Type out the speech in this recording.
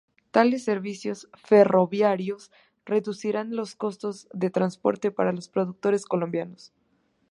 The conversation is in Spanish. Tales servicios ferroviarios reducirán los costos de transporte para los productores colombianos.